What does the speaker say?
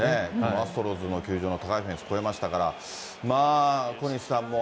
アストロズの球場の高いフェンス越えましたから。